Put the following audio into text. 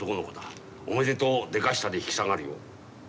「おめでとうでかした」で引き下がるよ。